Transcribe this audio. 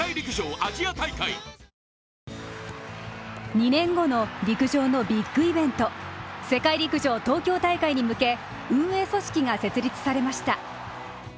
２年後の陸上のビッグイベント、世界陸上東京大会に向け運営組織が設立されました。